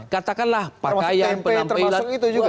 katakanlah pakaian penampilan